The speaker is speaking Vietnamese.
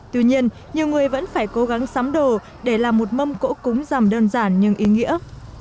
tuy nhiên nhiều người vẫn phải cố gắng sắm đồ để làm một mâm cỗ cúng rầm đơn giản nhưng ý nghĩa